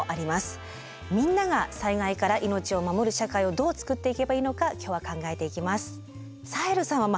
みんなが災害から命を守る社会をどうつくっていけばいいのか今日は考えていきます。